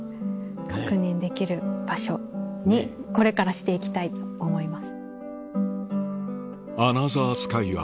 確認できる場所にこれからしていきたいと思います。